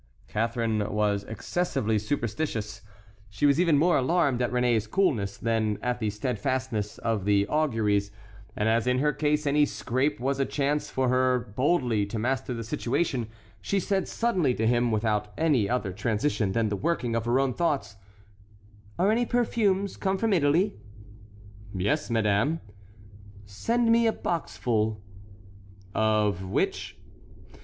Catharine was excessively superstitious; she was even more alarmed at Réné's coolness than at the steadfastness of the auguries, and as in her case any scrape was a chance for her boldly to master the situation, she said suddenly to him, without any other transition than the working of her own thoughts: "Are any perfumes come from Italy?" "Yes, madame." "Send me a boxful." "Of which?"